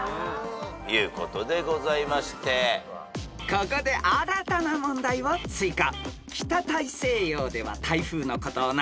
［ここで新たな問題を追加］